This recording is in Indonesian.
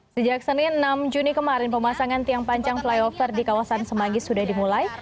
sejak senin enam juni kemarin pemasangan tiang panjang flyover di kawasan semanggis sudah dimulai